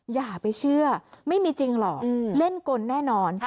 อย่าไปเชื่อไม่มีจริงหรอกเล่นกลแน่นอน